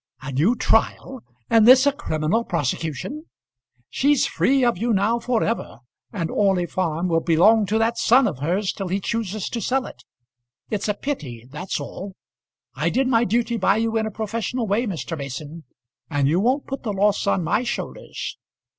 "A new trial; and this a criminal prosecution! She's free of you now for ever, and Orley Farm will belong to that son of hers till he chooses to sell it. It's a pity; that's all. I did my duty by you in a professional way, Mr. Mason; and you won't put the loss on my shoulders."